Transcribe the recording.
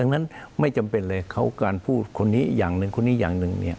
ดังนั้นไม่จำเป็นเลยเขาการพูดคนนี้อย่างหนึ่งคนนี้อย่างหนึ่งเนี่ย